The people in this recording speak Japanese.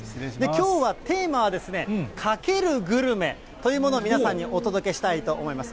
きょうはテーマは、かけるグルメというものを皆さんにお届けしたいと思います。